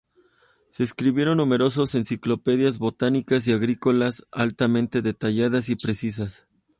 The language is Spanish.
Se escribieron numerosas enciclopedias botánicas y agrícolas, altamente detalladas y precisas.